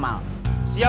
pernah diomongin si jamal